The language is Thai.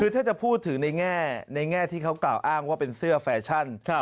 คือถ้าจะพูดถึงในแง่ที่เขากล่าวอ้างว่าเป็นเสื้อแฟชั่น